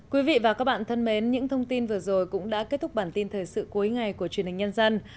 quý vị và các bạn thân mến những thông tin vừa rồi cũng đã kết thúc bản tin thời sự cuối ngày của truyền hình nhân dân